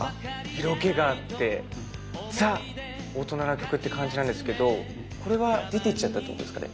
色気があってザ大人の曲って感じなんですけどこれは出て行っちゃったってことですかね？